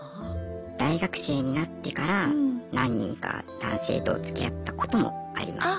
大学生になってから何人か男性とつきあったこともありましたね。